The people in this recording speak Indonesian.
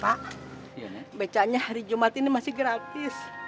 pak becaknya hari jumat ini masih gratis